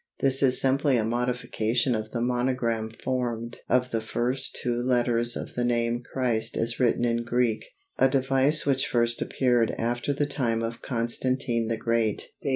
This is simply a modification of the monogram formed of the first two letters of the name Christ as written in Greek, a device which first appeared after the time of Constantine the Great (d.